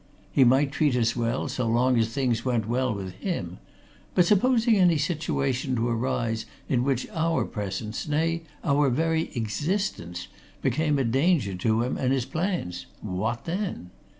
He might treat us well so long as things went well with him, but supposing any situation to arise in which our presence, nay, our very existence, became a danger to him and his plans what then?